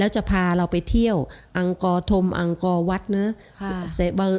จะพาเราไปเที่ยวอังกษ์ธมศ์อังกษ์วัฒร์